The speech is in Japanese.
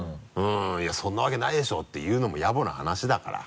「いやそんなわけないでしょ」って言うのもやぼな話だから。